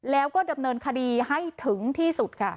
แล้วก็ดำเนินคดีให้ถึงที่สุดค่ะ